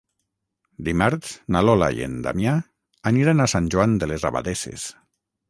Dimarts na Lola i en Damià aniran a Sant Joan de les Abadesses.